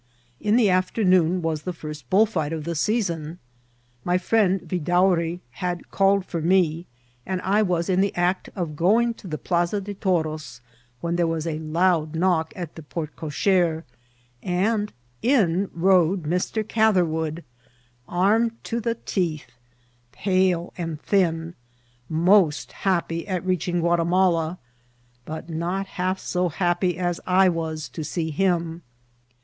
In the afternoon was the first bullfight of the season. My friend Vidaury had called for me, and I was in the act of going to the Pksa de Toro^, when there was a loud knock at the porte cochdre, and in rode Mr. Cather* wood, armed to the teeth, pale and^ thin, most hi^y at reaching Gmitimala, but not half so happy as I was to see him.